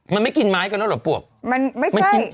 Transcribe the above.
มันไม่กินไม้กันแล้วหรอปลวกมันไม่ใช่